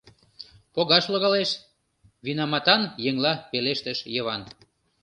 — Погаш логалеш, — винаматан еҥла пелештыш Йыван.